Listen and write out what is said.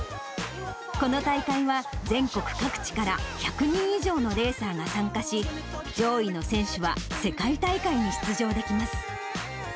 この大会は、全国各地から１００人以上のレーサーが参加し、上位の選手は世界大会に出場できます。